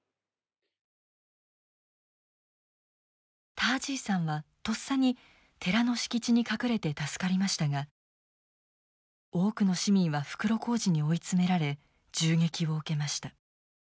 ター・ジーさんはとっさに寺の敷地に隠れて助かりましたが多くの市民は袋小路に追い詰められ銃撃を受けました。